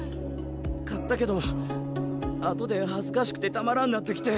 勝ったけど後で恥ずかしくてたまらんなってきて。